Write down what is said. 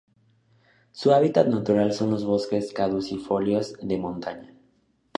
Su hábitat natural son los bosques caducifolios de montaña.